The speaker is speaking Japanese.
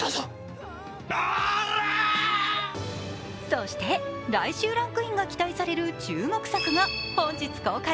そして来週ランクインが期待される注目作が本日公開